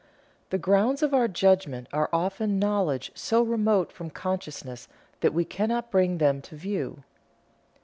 "The grounds of our judgment are often knowledge so remote from consciousness that we cannot bring them to view."